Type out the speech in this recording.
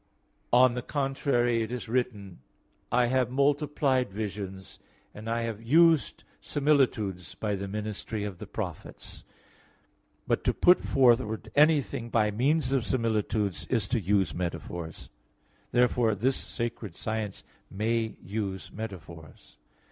On the contrary, It is written (Osee 12:10): "I have multiplied visions, and I have used similitudes by the ministry of the prophets." But to put forward anything by means of similitudes is to use metaphors. Therefore this sacred science may use metaphors.